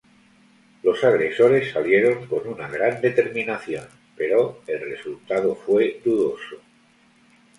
Los agresores salieron con una gran determinación, pero el resultado fue dudoso.